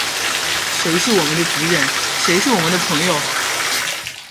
谁是我们的敌人？谁是我们的朋友？